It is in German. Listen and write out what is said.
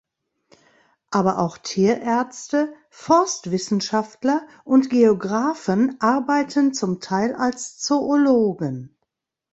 Aber auch Tierärzte, Forstwissenschaftler und Geographen arbeiten zum Teil als Zoologen.